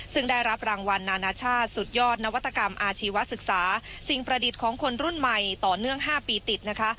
ซึ่งได้รับรางวัลนานาชาติสุดยอดนวัตกรรมอาชีวศึกษาสิ่งประดิษฐ์ของคนรุ่นใหม่ต่อเนื่อง๕ปีติดนะคะ